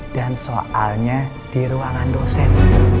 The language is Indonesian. dan soalnya di ruangan dosen